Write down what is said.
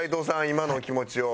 今のお気持ちを。